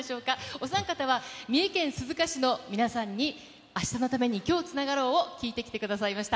お三方は三重県鈴鹿市の皆さんに明日のために、今日つながろう。を聞いてきてくださいました。